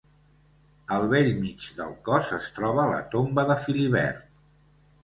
Al bell mig del cos es troba la tomba de Filibert.